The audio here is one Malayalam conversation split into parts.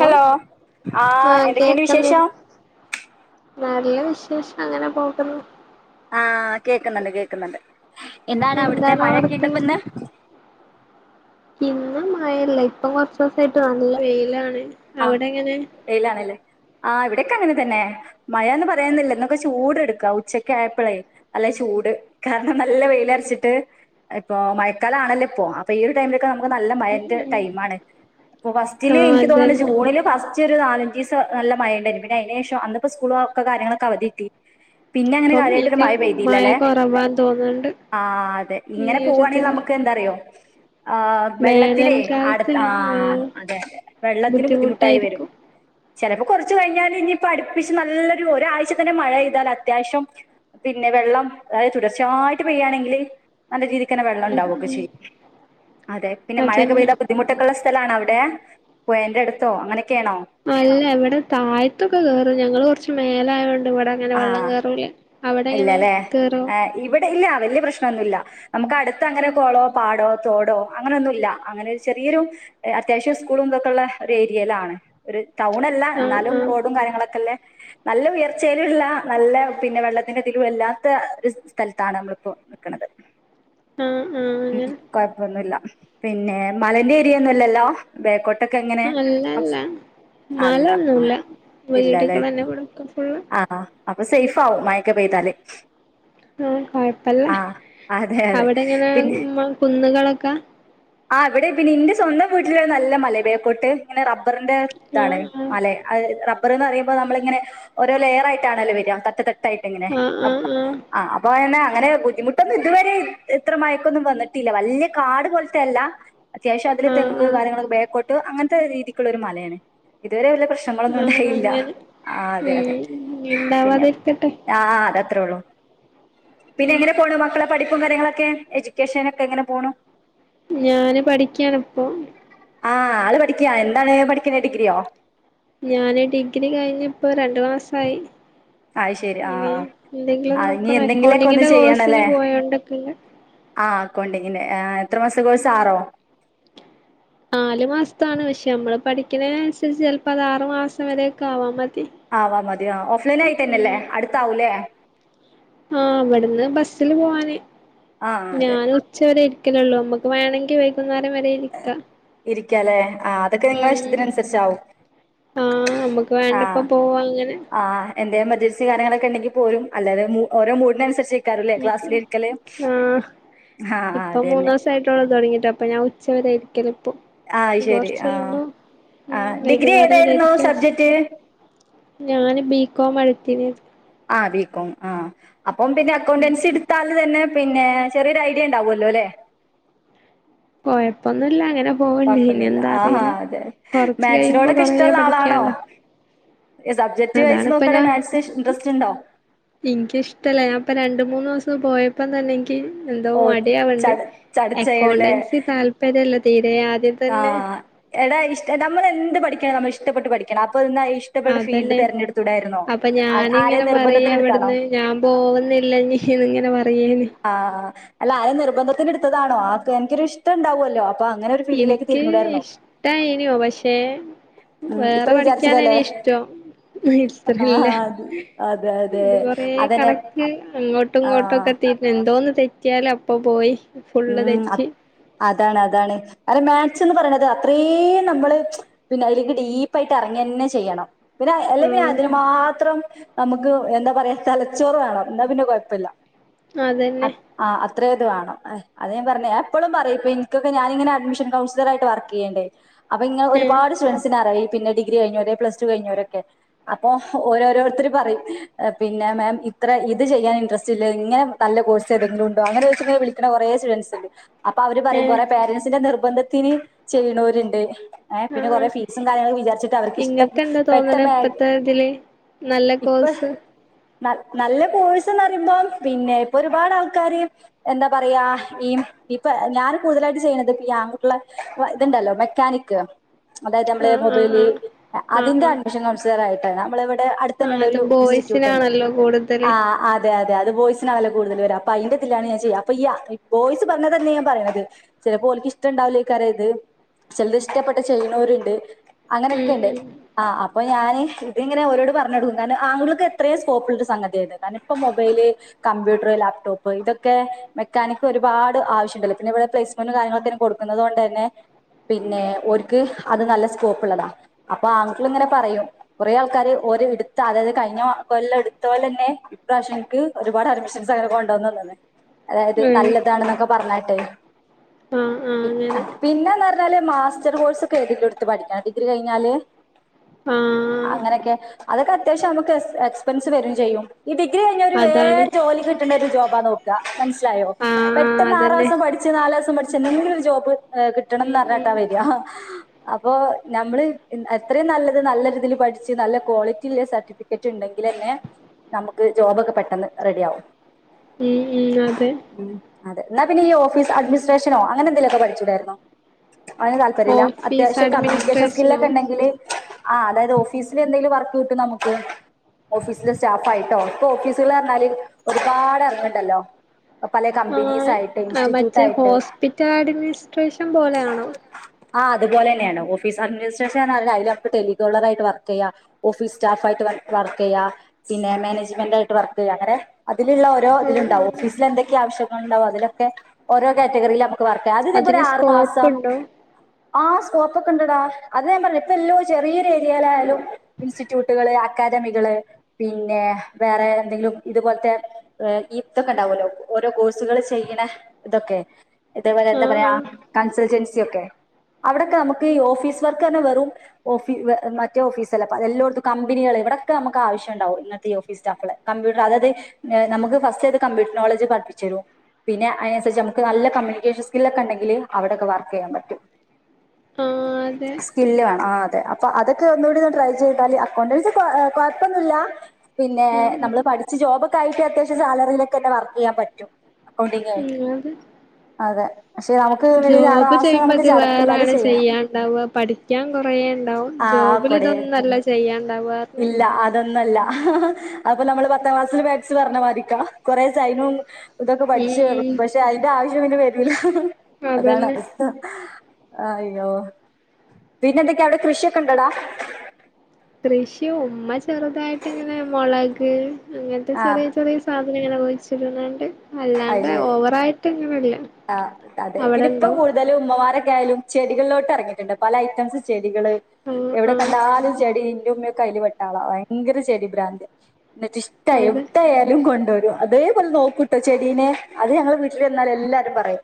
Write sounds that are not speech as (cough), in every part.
അപ്പം ആ എന്തൊക്കെണ്ട് വിശേഷം ശേഷം അങ്ങനെ പോകുന്നു ആഹ് കേക്കുന്നുണ്ട് കേക്കുന്നുണ്ട് എന്താണ് അവിടുത്തെ മഴയൊക്കെ ഇണ്ടൊപ്പ ന്ന് ഇന്ന് മഴല്ല ഇപ്പം കൊറച്ച് ദിവസായിട്ട് നല്ല വെയിലാണ് അഹ് അവിടെ എങ്ങനെ വെയിലാണ് ലേ ആഹ് വിടെക്കെ അങ്ങനെ തന്നെ മഴാന്ന് പറയാന്നില്ല ഇന്നൊക്കെ ചൂടെടുക്ക ഉച്ചൊക്കെ ആയപ്പളേ നല്ല ചൂട് കാരണം നല്ല വെയിലർച്ചിട്ട് ഇപ്പോ മഴക്കാല ആണല്ലേ ഇപ്പോ അപ്പൊ ഈ ഒരു ടൈമിലൊക്കെ ന നല്ല മഴന്റെ ടൈമാണ് പ്പോ ആ ഫസ്റ്റില് ഇൻക്ക് തോന്ന്ണ് അതന്നെ ജൂണില് ഫസ് റ്റൊരു നാലഞ്ചിസ നല്ല മഴ ഉണ്ടായിരുന്നു പിന്നെ അയിനു ശേഷം അന്നിപ്പോ സ്കൂളൊക്കെ കാര്യങ്ങളൊക്കെ അവധിട്ടി പിന്നെ അങ്ങനെ ഇപ്പം ഈ കാര്യമായിട്ടരു ക മഴ പെയതിയില്ല അല്ലെ കൊറവാന്ന് തോന്നുന്നുണ്ട് ആഹ് അതെ ഈ ഇങ്ങനെ പോവാണെങ്കിൽ ഒരിതില് നമുക്ക് എന്താറിയോ ആഹ് വെള്ളത്തില് അടു വേനൽക്കാലത്ത് ആഹ് ആ അതെ വെള്ള ബുദ്ധിമുട്ടായിരിക്കും ചിലപ്പോ കുറച്ചു കഴിഞ്ഞാൽ ഇനിയിപ്പ അടുപ്പിച്ച് നല്ലൊരു ഒരാഴ്ച തന്നെ മഴ പെയ്താൽ അത്യാവശ്യം പിന്നെ വെള്ളം അതായത് തുടർച്ചയായിട്ട് പെയ്യണെങ്കിൽ നല്ല രീതി (unintelligible) വെള്ളം ഉം ഉണ്ടാവുക്കെ ഉം ചെയ്യും അതെ പിന്നെ മഴൊക്കെ അതന്നെ പെയ്ത ബുദ്ധിമുട്ടൊക്കുള്ള സ്‌ ലണ അവിടെ പോയ എടുത്തോ അങ്ങനെ അല്ല ഇവിടെ താഴത്തൊക്കെ കേയറും ഞങ്ങൾ കുറച്ച് മേലയോണ്ട് ഇവിടെ അങ്ങനെ വെള്ളം ആ കയറൂലേ ഇല്ലല്ലേ ആഹ് ഇവിടെ ഇല്ല വലിയ പ്രശ്നൊന്നുവില്ല നമുക്ക് അടുത്ത് അങ്ങനെ കുളോ പാടോ തോടോ അങ്ങനൊന്നുവില്ല അങ്ങനെ ചെറിയൊരു അത്യാവശ്യം സ്കൂളും ഇതൊക്കുള്ള ഒരു ഏരിയയിലാണ് ഒരു ടൗൺ അല്ല ആ എന്നാലും ആ റോഡും കാര്യങ്ങളൊക്കെല്ലേ നല്ല ഉയർച്ചയിലുള്ള നല്ല പിന്നെ വെള്ള അതിലും വല്ലാത്ത ഒരു സ്ഥലത്താണ് നമ്മൾ ഇപ്പോ നിക്കണത് ആ ആ ഉം അങ്ങനെ കൊഴപ്പൊന്നുവില്ല പിന്നെ മലെന്റെ എരിയ ഒന്നുവല്ലല്ലോ ബേക്കോ അല്ലല്ല അല്ല ആ മലൊന്നുവല്ല ഇല്ലല്ലേ വീടുകൾ തന്നെ ഇവിടൊക്കെ ഫുള്ള് ആ അപ്പൊ സേഫ് ആവും മയക്ക പെയ്താല് ആഹ് കൊഴപ്പല്ല ആ അതെ അതെ അവിടെങ്ങന (unintelligible) കുന്നുകളൊക്കെ ആഹ് ഇവിടെ പിന്നെ ഇന്റെ സ്വന്തം വീട്ടില നല്ല മലേ ബാക്കോട്ട് ഇങ്ങനെ റബ റിന്റെ ഇതാണ് ആഹ് മല അത് റ റബ്ബർന്ന് നമ്മളിങ്ങനെ ഓരോ ലെയർ ആയിട്ടണല്ലോ വര്യാ തട്ട് തട്ട് ആഹ് ആഹ് ആഹ് (inaudible) അങ്ങനെ ബുദ്ധിമുട്ടൊന്നും ഇതുവരെ ഇത്ര ന്നും വന്നിട്ടില്ല വല്ല്യ കാട് പോൽത്തെല്ല ആഹ് ആഹ് ആഹ് (unintelligible) അങ്ങൻത്തെ രീതിക്ക്ള്ള ഒരു മലേണ് ഇതുവരെ പ്രശ്നങ്ങളൊന്നും ആഹ ഉണ്ടായില്ല അങ്ങനെ ആ ഉ അതെ അതെ ഇഞ്ഞ് ഇണ്ടാവാതിരിക്കട്ടെ അത്രൊള്ളൂ പിന്നെ എങ്ങനെ പോണ് മക്കള പഠിപ്പും കാര്യങ്ങളൊക്കെ വെക്കേഷനൊക്കെ എങ്ങനെ പോണു ഞാന് പഠിക്കാണിപ്പോ ആഹ് ആള് പഠിക്ക്യ എന്താണ് പഠിക്കുന്നെ ഡിഗ്രിയോ? ഞാന് ഡിഗ്രി കഴിഞ്ഞ് ഇപ്പോ രണ്ടു മാസായി അത് ശരി ആ ഇനി എന്തെങ്കിലും ആ ഇനി നോക്കണം എന്തെങ്കിലൊക്കെ ഒന്ന് അക്കൗണ്ടിങ്ങിന്റെ കോഴ്സിന് ചെയ്യണല്ലേ പോയോണ്ടക്കെ ആ ആക്കൗണ്ടിങ്ങിന്റെ ആ എത്രമാസകോഴ്സാ ആറോ? നാലു മാസ്ത്താണ് പക്ഷെ നമ്മള് പഠിക്ക്ണേനന്സരിച്ച് ചിലപ്പോ അതാറു മാസം വരൊക്കെ ആവാ മത് ആവാ മതി ഓഫ്‌ലൈൻ ആയിട്ടന്നെല്ലേ അടുത്താവൂലേ? ആഹ് ഇവിടുന്ന് ബസ്സില് പോവാന് ആ അതെ ഞാൻ ഉച്ചവരെ ഇരി ക്കണുള്ളൂ നമ്മക്ക് വേണെങ്കി വൈകുന്നേരം വരെ ഇരിക്കാം ഇരിക്കാലേ ആ അതൊക്കെ ഇങ്ങള ഉം ഇഷ്ടത്തിന് അനുസരിച്ചാവും ആഹ് നമ്മുക്ക് ആ വേണ്ടപ്പ പോവാ അങ്ങനെ ആ എന്തേം പർ പൈസേം കാര്യങ്ങളും ഒക്കെ ഇണ്ടെങ്കി പോരും അല്ലാതെ മൂ ഓരോ മൂഡിനനുസരിച്ച് ഇരിക്കാറുല്ലേ ഉം ഉം ക്ലാസ്സിലിരിക്കല് ആ ആ ആ ഇപ്പ അതന്നെ മൂന്നേസായിട്ടോള്ളൂ തൊടങ്ങിട്ട് അപ്പൊ ഞാൻ ഉച്ചവരെ ഇരി (unintelligible) ആ എനി ശരി കൊറച്ച് ആ കഴിയുമ്പോ ആ ഉം ഡിഗ്രി വൈകുന്നേരം ഏതായിരുന്നു (unintelligible) സബ്ജക്ട് ഞാന് ബി കൊമ്മേ എടുത്തിനിയേത് ആ ബി. കോം ആ അപ്പം പിന്നെ ഉം അക്കൗണ്ടൻസി എടുത്താൽ തന്നെ പിന്നെ ചെറിയൊരു ഐഡിയ ഉണ്ടാവൊല്ലോലേ കൊയ്പ്പൊന്നുല്ല അങ്ങനെ പോ കൊഴപ്പൊന്നുല്ല ആഹ് ആഹ് അതെ കൊറച്ച് കഴിയുമ്പോ മാക്സിനോടൊക്കെ കൊറേ ഇഷ്ടള്ള ആളാണോ? പഠിക്കാണ്ടാവും സബ്ജക്ട് വൈസ് അതാണിപ്പ നോക്കുകയാണെങ്കിൽ ഞാൻ, മാത്സിന് ഇൻട്രസ്റ്റ് ഉണ്ടോ ഇനിക്കിഷ്ടല്ല ഞാൻ ഇപ്പം രണ്ട് മൂന്നുസ് സം പോയപ്പം തന്നെ ഇ ക്ക് എന്തോ ഓ മടിയാവ്ണ്ട് ചട ചടച്ചേണല്ലേ അക്കൗണ്ടൻസി താല്പര്യല്ല തീരെ ആദ്യം തന്നെ നമ്മള് എന്ത് പഠിക്കണം നമ്മൾ ഇഷ്ടപ്പെട്ട് പഠിക്കണം അ അതന്നെ അപ്പൊ ആ- ആരെ ഞാനിങ്ങനെ പറയാ നിർബന്ധത്തിന് എടുത്താണോ അവിടുന്ന് ഞാൻ പോവുന്നില്ലീനി ഇങ്ങനെ പറ റയേനി ആ അല്ല ആരെ നിർബന്ധത്തിന് എടുത്തതാണോ ആക്ക് എനിക്കൊര് ഇഷ്ട ഇണ്ടാവുവല്ലോ ഇനിക്ക് ഇഷ്ടായിനു പക്ഷെ ഉം ഇത്ര വേറെ പഠിക്കാനനി വിചാരിച്ചില്ലല്ലേ ഇഷ്ടം ആഹ് ഇത്രല്ല അത് അതെ അതെ ഇത് കൊറേ അതന്നെ കണക്ക് അങ്ങോട്ടും ഇങ്ങോട്ടും ആഹ് ഒക്കെ എത്തിട്ട് എന്തോന്ന് തെറ്റിയാലപ്പ പോയി ഫുള്ള് ഉം അത് തെറ്റി അതാണ് അതാണ് അല മാത്സ് എന്ന് പറയ്ണത് അത്രീം നമ്മള് പിന്നെ അയ്ലേക്ക് ഡീപ്പായിട്ട് എറങ്ങന്നെ ചെയ്യണം. പിന്നെ അല്ലെ പിന്നെ ആഹ് അതിന് മാത്രം നമുക്ക് എന്താ പറയാ തലച്ചോറ് വേണം എന്നാ പിന്നെ കൊഴപ്പല്ല അതന്നെ ആ അത്രേ ത് വാണം ഏഹ് അത് ഞാൻ പറഞ്ഞേ എപ്പളും പറയും ഇപ്പ ഇൻക്കൊക്കെ ഞാനിങ്ങനെ അഡ്മിഷൻ കൗൺസിലറായിട്ട് വർക്കിയ്യെണ്ടേ അപ്പൊ ഇങ്ങ ഏഹ് ഒരുപാട് സ്റ്റുഡൻസിനറിയ് പിന്നെ ഡിഗ്രി കഴിഞ്ഞോരെ പ്ലസ് ടു കഴിഞ്ഞോരൊക്കെ അപ്പോ ഓരോരോരുത്തര് പറയും പിന്നെ മാം ഇത്ര ഇത് ചെയ്യാൻ ഇൻട്രെസ്റ്റ് ഇല്ല ഇങ്ങനെ നല്ല കോഴ്സ് ഏതെങ്കിലും ഉണ്ടോ അങ്ങനെ ചോയ്ച്ച്ങ്ങനെ വിളിക്ക്ണ കൊറേ സ് റ്റുഡന്റസ് ഇണ്ട് അപ്പൊ അവര് പറയും ഏഹ് കൊറെ പേരന്റ്സിന്റെ നിർ ബന്ധത്തിന് ചെയ്യ്ണോര്ണ്ട് ഏഹ് പിന്നെ ആഹ് ആഹ് കൊറെേ ഫീസും കാര്യങ്ങളും വിചാരിച്ചിട്ട് അവർക്ക് ഇഷ്ട നിങ്ങൾക്ക് എന്താ പെട്ട തോന്നണ മേഖ് ഇപ്പത്തെ ഇതില് നല്ല ഇപ്പ കോഴ്സ് ന നല്ല കോഴ്സ്ന്നറിയുമ്പോം പിന്നെ ഇപ്പൊ ഒരുപാട് ആൾക്കാര് എന്താ പറയാ ഈ ഇപ്പൊ ഞാന് കൂടുതലായിട്ട് ചെയ്യ്ണത് ഇപ്പ ആൺകുട്ട്യളെ വ ഇത്ണ്ടല്ലോ മെക്കാനിക്ക് അതായത് അമ്മള് ആഹ് ആഹ് മൊബൈല് ആഹ് ആഹ് അതിന്റെ ആഹ് അഡ്മിഷൻ കൗൺസിലറായി എ നമ്മള് വിട് ടെ ആഹ് അത് അട്തന്നെണ്ടൊരു ഇൻസ്റ്റിറ്റ്യൂട്ട്ണ്ട്. ബോയ്സിനാണല്ലോ കൂടുതല് ആഹ് അതെ അതെ അ ത് ബോയ്സിനാണല്ലേ കൂട്തല് വരാ പ്പയ്ന്റെതിലാണ് ഞാ ചെയ്യ അപ്പ യാ ബോയ്സ് പർഞ്ഞതന്നെ ഞാൻ പറിണത് ചെലപ്പോ ഓൽക്ക് ഇഷ്ടണ്ടാവുലയ്ക്കാരം ഇത്. ചെൽത് ഇഷ്ടപ്പെട്ട് ചെയ്യണോര്ണ്ട് ഉം അങ്ങനെക്കെണ്ട് ഉം ആഹ് അപ്പൊ ഞാന് ഇതിങ്ങനെ ഓരോട് പർഞ്ഞൊട്ക്കും. കാരണം ആൺകുട്ട്യേക്ക് എത്രേം സ്കോപ്പ്ണ്ട് സംഗത്യാത്. കാരണം ഇപ്പ മൊബൈല്, കമ്പ്യൂട്ടർ, ലാപ്ടോപ്പ് ഇതൊക്കെ മെക്കാനിക് ഒരുപാട് ആവശ്യണ്ടല്ലോ. പിന്നെ ഇവിടെ പ്ലേസ്മെന്റും കാര്യങ്ങളൊക്കെ കൊടുക്കുന്നത് കൊണ്ട് തന്നെ പിന്നെ ഓര്ക്ക് അത് നല്ല സ്കോപ്പ്ള്ളതാ. അപ്പൊ ആൺകുട്ട്യേള്ങ്ങനെ പറയും കുറേ ആൾക്കാര് ഓര് ഇട്ത്ത അതായത് കഴിഞ്ഞ കൊല്ലം ഇട്ത്തോലന്നെ ഇപ്രാവശ്യം ൻക്ക് ഒരുപാട് അഡമിഷൻസ് കൊണ്ട്ന്നന്ന് ണ്. അതായത് ഉം നല്ലതാണെന്നൊക്കെ പറഞ്ഞാ ട്ടെ ആഹ് ആഹ് അങ്ങനെ പിന്നെന്നാർ ഞ്ഞാല് മാസ്റ്റർ കോഴ്സ് ഒക്കെ എഴുതിട്ടൊട്ത്ത് പഠിക്കണം ഡിഗ്രി കഴിഞ്ഞാല് ആഹ് അങ്ങനെക്കെ അതൊക്കെ അത്യാവശ്യം അമുക്ക് എസ് എക്സ്പെൻസ് വരും ചെയ്യും ഈ ഡിഗ്രി കഴിഞ്ഞൊരു അതാണ് വേഗം ജോലി കിട്ട്ണൊരു ജോബാ നോക്ക മൻസ്സിലായോ. ആഹ് ആഹ് പെട്ടെന്ന് അതന്നെ ആറാസം പഠിച്ച് നാ ല് മാസം പഠിച്ച് എന്തെങ്കിലും ഒരു ജോബ് ഏഹ് കിട്ടണംന്ന് ഉം ഉം പറഞ്ഞിട്ടാ വരാ അപ്പൊ നമ്മള് അത്രയും നല്ലത് നല്ല രീതിൽ പഠിച്ച് നല്ല ക്വാളിറ്റി ഉള്ള സർട്ടിഫിക്കറ്റ് ഉണ്ടെങ്കിൽ തന്നെ നമുക്ക് ജോബൊക്കെ പെട്ടെന്ന് റെഡി ആവും ഉം ഉം അതെ അതെ എന്നാ പിന്നെ ഈ ഓഫീസ് അഡ്മിനിസ്ട്രേഷനോ അങ്ങന എന്തേലൊക്കെ പടിച്ചൂടാരുന്നോ അതിന് താല്പര്യം ഇല്ല ഓഫീസ് അത്യാവശ്യം കമ്മ്യൂണിക്കേഷൻ അഡ്മിനിസ്ട്രേഷനോ സ്കില്ലൊക്കെ ഉണ്ടെങ്കില് ആഹ് അതായത് ഓഫീസില് എന്തെങ്കിലും വർക്ക് കിട്ടും നമുക്ക് ഓഫീസിലെ സ്റ്റാഫ് ആയിട്ടോ ഇപ്പ ഓഫീസുകൾ പറഞ്ഞാല് ഒരുപാട് ഇറങ്ങുന്നുണ്ടല്ലോ ആഹ് മറ്റേ ഹോസ്പിറ്റൽ അഡ്മിനിസ്ട്രേഷൻ പോലെയാണോ ആഹ് അതുപോലെ തന്നെയാണ് ഓഫീസ് അഡ്മിനിസ്ട്രേഷൻന്ന് അതിൽ നമുക്ക് ടെലികോളർായിട്ട് വർക്ക് ചെയ്യാം ഓഫീസ് സ്റ്റാഫ് ആയിട്ട് വർക്ക് ചെയ്യാം പിന്നെ മാനേജ്മെന്റ് ആയിട്ട് വർക്ക് ചെയ്യാം അങ്ങനെ അതിലുള്ള ഓരോ ആഹ് ഇതിലുണ്ടാവും ആഹ് ഓഫീസിൽ എന്തൊക്കെയാ ആവശ്യം ഉണ്ടാവും അതിലൊക്കെ ഓരോ കാറ്റഗറിൽ വർക് ചെയ്യാം അത് ഇതേ പോലെ അതിന് ആറു സ്കോപ്പ് മാസം ഉണ്ടോ ആ സ്കോപ്പ് ഒക്കെ ഇണ്ടടാ അത് ഞാൻ പറഞ്ഞില്ലേ ഇപ്പ എല്ലോ ചെറിയൊരു ഏരിയയിലായാലും ഇൻസ്റ്റിറ്റ്യൂട്ടുകള് അക്കാദമികള് പിന്നെ വേറെ എന്തെങ്കിലും ഇതുപോലത്തെ ഇതൊക്കെ ഉണ്ടാവുമല്ലോ ഓരോ കോഴ്സ് ചെയ്യണ ഇതൊക്കെ ഇതേപോലെ എന്താ ആഹ് പറയാ ആഹ് കൺസൾൻസി ഒക്കെ അവിടൊക്കെ നമുക്ക് ഓഫീസ് വർക്ക് തന്നെ വെറും ഓഫീ മറ്റ ഓഫീസല്ല എല്ലാടത്തും കമ്പിനികൾ ഇവിടൊക്കെ നമുക്ക് ആവശ്യംണ്ടാവും ഇന്നത്തെ ഓഫീസ് സ്റ്റാഫ്കളെ കമ്പ്യൂട്ടർ അതായത് നമുക്ക് ഫസ്റ്റ് അത് കമ്പ്യൂട്ടർ നോളജ് പഠിപ്പിച്ച് തരും പിന്നെ അതിനനുസരിച്ച് നമുക്ക് നല്ല കമ്മ്യൂണിക്കേഷൻ സ്കില്ലൊക്കെ ഉണ്ടെങ്കിൽ അവിടെക്കെ വർക്ക് ചെയ്യാൻ പറ്റും ആഹ് അതെ സ്കില് വേണം ആഹ് അതെ അപ്പൊ അതൊക്കെ ഒന്നുകൂടി ഒന്ന് ട്രൈ ചെയ്താല് അക്കൗണ്ടൻസി കൊഴപ്പൊന്നുമില്ല പിന്നെ ഉം നമ്മള് ഉം പഠിച്ച ജോബൊക്കെ ആയിട്ട് അത്യാവശ്യം സാലറിയിലക്കെന്നെ വർ ചെയ്യാൻ പറ്റും അക്കൗണ്ടിങ് ഉം അത് അതെ പക്ഷെ നമുക്ക് ഒരു ആറ് ജോബ് മാസം ചെയ്യുമ്പോ നമുക്ക് ഇത് ചടപ്പില്ലാതെ വേറെയാണ് ചെയ്യണം ചെയ്യാൻ ഉണ്ടാവുക പഠിക്കാൻ കൊറേ ഇണ്ടാവും ആ ജോബിൽ കൊടേ ഇതൊന്നല്ല ചെയ്യാൻ ഉണ്ടാവ ഇല്ല അതൊന്നല്ല അപ്പൊ നമ്മള് പത്താം ക്ലാസ്സിൽ മാക്സ് പറഞ്ഞ മാതിരിക്ക കൊറേ സൈനും ഇതൊക്കെ പഠിച്ചു ഉം ഉം പക്ഷെ അതിന്റെ ആവശ്യം പിന്നെ വ (unintelligible) അതാണ് അതന്നെ അവസ്ഥ ആ അയ്യോ പിന്നെന്തൊക്കെയാ അവിടെ കൃഷിയൊക്കെണ്ടടാ കൃഷി ഉമ്മ ചെറുതായിട്ടിങ്ങനെ മൊളക് അങ്ങൻത്തെ ആ ചെറിയ ചെറിയ സാധ് നിങ്ങനെ കുഴിച്ചിടണണ്ട് അത് അല്ലാണ്ട ശരി ഓവറായിട്ടിങ്ങനെ ഇല്ല ആ അതെ പിന്നിപ്പൊ കൂടുതല് ഉമ്മമാരൊക്കെയായ് യാലും ചെടികൾലോട്ടെറങ്ങീട്ട്ണ്ട് പല ഐറ്റംസ് ചെട് ടികള് ആഹ് എവിടെ ആഹ് കണ്ടാലും ചെടി ഇൻ്റുമ്മയൊക്ക് കയ്ല് പെട്ടാളാ ഭയങ്കര ചെടി ഭ്രാന്തിയ എന്നിട്ട് ഇഷ്ടായാ അതെ എവിടായാലും കൊണ്ടോര് രു അതേപോലെ നോക്കൂട്ടോ ചെടീനെ അത് ഞങ്ങള് വീട്ടില് എന്നാല് എല്ലാര് രും പറയും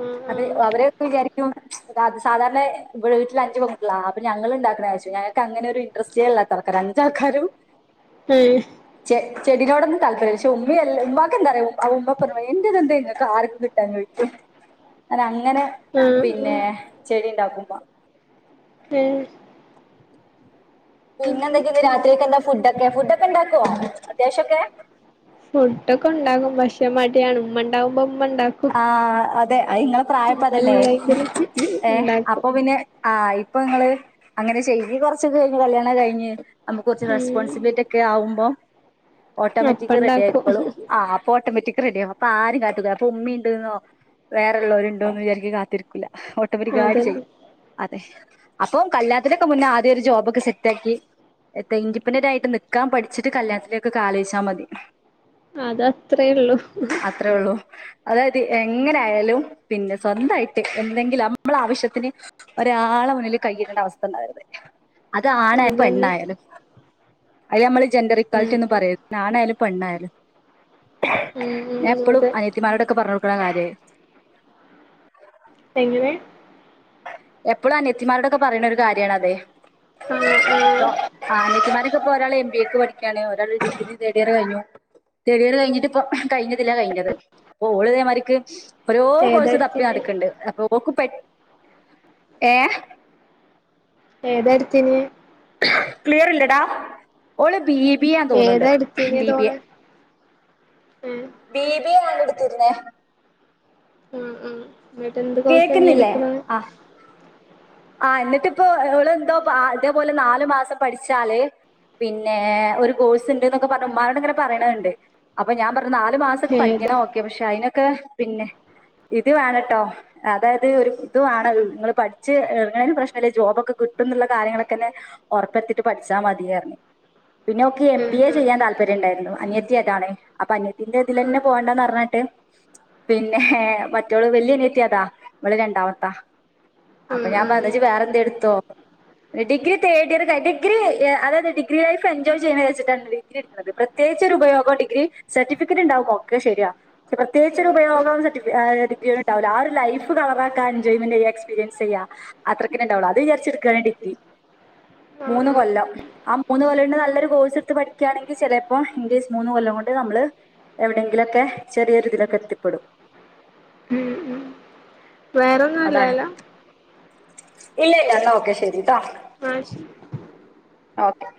ആഹ് അവര് ആഹ് അവരെയൊക്കെ വിചാരിക്കും സാധ് സാധാരണ വീട്ടിലഞ്ച് പെങ്കുട്ട്യളാ അപ്പൊ ഞങ്ങള്ണ്ടാക്ക്ണാ വിയാരിച്ചു ഞങ്ങക്ക് അങ്ങനെ ഒരു ഇൻ്ററെസ്റ്റേ ഇല്ലാത്ത ആൾക്കാരാ അഞ്ചാൾക്കാരും ഏഹ് ചെടീനോടൊന്നും താല്പര്യല്ല ക്ഷേ ഉമ്മിയെൽ ഉമ്മാക്കെന്താറിയോ ഉം ഉമ്മ എൻ്റതെന്തേ ഇങ്ങക്കാര് കിട്ടാഞ്ഞോയ്ക്കും അനങ്ങ് അങ്ങനെ ആഹ് പിന്നേ ആഹ് ചെടിയിണ്ടാക്കും ഏഹ് പിന്നെന്തൊക്കെയിന്ന് രാത്രീലേക്കെന്താ ഫുഡൊക്കെ ഫുഡൊക്കെ ഇണ്ടാക്ക്വോ ലേശൊക്കെ ഫുഡൊക്കെ ഒണ്ടാകും പക്ഷേ മടിയാണ് ഉമ്മണ്ടാവുമ്പോ ആഹ് അതെ അയിങ്ങള പ്രായപ്പൊ അതല്ലേ നമ്മല്ലെങ്കില് ഏഹ് ഇണ്ടാക്കും അപ്പൊ പിന്നെ ആ ഇപ്പൊ ഇങ്ങള് അങ്ങനെ ചെയ്യും കുറച്ചൊക്കെ കഴിഞ്ഞ് കല്യാണം കഴിഞ്ഞ് അമ്മക്ക് കൊറച്ച് ഉം റെസ്പോൺസിബിലിറ്റിയെക്കെ ആവുമ്പോ ഓട്ടോമാറ്റിക് അപ്പണ്ടാക്കും റെഡിയായിക്കോളും ആ അപ്പൊ ഓട്ടോമറ്റിക് ക്ക് റെഡിയാവും അപ്പാരിം കാതു പ്പുമ്മീണ്ട്ന്നോ വേറെള്ളോരുണ്ടോന്ന് വിചാരിച്ച് കാത്തിരിക്കുല്ല ഓട്ടോമാറ്റിക്കായിട്ട് ചെയ്യും അതന്നെ അതെ അപ്പോ കല്യാണത്തിൻ്റൊക്കെ മുന്നേ ആദ്യൊരു ജോബൊക്കെ സെറ്റാക്കി എന്ത ഇൻഡിപെൻഡൻ്റായിട്ട് നിക്കാൻ പഠിച്ചിട്ട് കല്യാണത്തിലേക്കൊക്കെ ആലോയിച്ചാ മതി അത് അതത്രേ ഉള്ളു അത്രേ ഉള്ളൂ അതായത് എങ്ങനായാലും പിന്നെ സ്വന്തായിട്ട് എന്തെങ്കിലും അമ്മളാവശ്യത്തിന് ഒരാളെ മുന്നില് കയ്യീട്ടേണ്ട അവസ്ഥ ഉണ്ടാവരുത് അത് ആണായാലും അതന്നെ പെണ്ണായാലും അയ് ഞമ്മള് ജെഡർ ഇ ഉം കാലിറ്റിഎന്ന് ഉം പറയുന്നത് നാനയാലും പെണ്ണ് ആയാലും ഉം ഞാൻ ഉം എപ്പോളും അതെ അനിയത്തിമാരോടെൊക്കെ പറഞ്ഞ കൊടുക്കണം കാര്യം എങ്ങനെ എപ്പോഴും അനയത്തിമാരുടെൊക്കെ പറയുന്ന ഒരു കാര്യണ്അത് ആഹ് ആഹ് ആനിയത്തിമാര് ഇപ്പോഒരാൾ എം ബി എക്ക് പഠിക്കാണ് ഒരാൾ ഡിഗ്രി തേഡ് ഇയർ കഴിഞ്ഞു തേർഡ് ഇയർ കഴിഞ്ഞിട്ട ഇപ്പ കഴിഞ്ഞില്ല കഴിഞ്ഞത് അപ്പൊ ഓളതേമാർക്ക് ഓരോ ഏതാ കോഴസ് എടുത്തിന് തപ്പിനടക്ക്ണ്ട് അപ്പൊ ഓക്ക് പറ്റ്- ഏഹ ഏതാട്തീന്നെ ക്ലിയർ ഇല്ലടാ ഓള്ബി- ബി ബിയെതോന്ന്ണ്ട് ഏതാ ബി ബിഎ എടുത്തിനതോള് ഏഹ് ബി ബി എ ടുത്തിരുന്നേ ഉം ഉം എന്നിട്ട് എന്ത് കോഴ്സ് ഇഞ്ഞ്എടുക്ക്ണത് ആഹ് എന്നിട്ട്പ്പോ അവള് എന്തോ ഇതേപോലെ നാലു മാസം പഠിച്ചാല് പിന്നെ ഒരു കോഴ്സ് ഇണ്ട് ന്നൊക്കെ പറഞ്ഞ് ഉമ്മാനോട് ഇങ്ങനെ പറയണ്ണ്ട് അപ്പൊ ഞാൻ പറഞ- നാല് മാസൊക്കെ ഏതാ പഠിക്കണം ഓക്കെ പ്പക്ഷെ അയ്ന ക്കെപിന്നെ ഇത് വേണംട്ടോ അതായത്, ഒരു ഇത് വേണ നിങ്ങൾ പഠിച്ച് ന്നാലുംപ്രശ്നല്ല ജോബ് ഒക്കെ കിട്ടും ന്ന്ള്ള കാര്യങ്ങളൊക്കെലെ ഒറപ്പെർത്തിട്ട് പഠിച്ചാ മതിയർ ഞ്ഞ് പിന്നോക്ക് എം ആഹ് ബി എ ആഹ് ചെയ്യാൻ താല്പര്യ ഉണ്ടായിരുന്നു അനിയത്തി- ജ്ജ് ഏതാണ് അപ്പോ അനി- തിന്റെ ആഹ് ഇതിലെന്നെ പോണ്ടന്നറഞ്ഞിട്ട് (inaudible) പിന്നെ ഹ് മറ്റൊള് വല്ല്യ അനിത്തിയതാ ഇവള് രണ്ടാമത്ത അപ്പൊ ആഹ് ഞാൻ - അങ്ങനെ ജ് വേറെന്തേ ഇട്ത്തോ ഡിഗ്രി തേർഡ് ഇയർ കഴി ഡിഗ്രി അതത് ഡിഗ്രിൈഫ് എൻജോയ് ചെയ്യുന്നത് വെച്ചിട്ടാണ് ഡിഗ്രി എട്ടുക്കുന്നത് പ്രത്യേകിച്ച് ഉപയോഗം ഡിഗ്രി സർട്ടിഫിക്കറ്റ് ഉണ്ടാവുഒക്കെ ശരിയാവും പ്രത്യേകിച്ചൊരു പയോഗം സർട്ടിഫിക്കേറ്റ്ഡിഗ്രി ഉണ്ടാവില്ല ആ ഒരു ലൈഫ് കളറാക്കാ എജോയ്മെന്റ് ചെയ്യ എക്സ്പീരിയൻസ് ചെയ്യാ അത്രക്കനെ ഉണ്ടാവുള്ളൂ അത് വിചാരിച്ചെട്ക്കാൻ ടിഗ്രി മൂന്ന് കൊല്ലം ആ മൂന്ന് കൊല്ലംണ്ട് നല്ലൊരു കോഴ്സ് എടുത്ത് പഠിക്കാണെങ്കി ചെലേ പ്പം ഇംഗ്ലീഷ് മൂന്ന് കൊല്ലം കൊണ്ട് നമ്മള് എവിടെങ്കിലൊക്കെ ചെറിയൊരി തിലൊക്കെ എത്തിപ്പെടും ഉം ഉം വേറെൊന്നുംല്ലല്ലോ ഇ ല്യ ല്ല ഓക്കെ ശെരി ട്ടൊ ആഹ ശരി ഓക്കെ